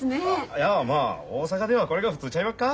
いやまあ大阪ではこれが普通ちゃいまっか？